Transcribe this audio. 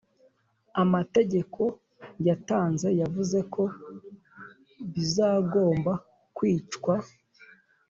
amategeko yatanze yavuze ko bzgomba kwicwa